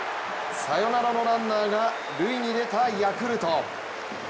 サヨナラのランナーが塁に出たヤクルト。